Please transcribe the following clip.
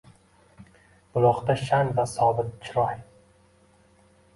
Buloqda sha’n va sobit chiroy.